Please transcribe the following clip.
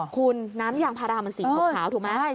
คุณน้ำยางพารามันสีขาวถูกไหม